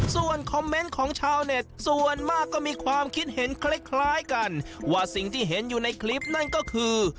ส่วนคอมเมนต์ของชาวเน็ตส่วนมากก็มีความคิดเห็นคล้ายกันว่าสิ่งที่เห็นอยู่ในคลิปนั่นก็คือ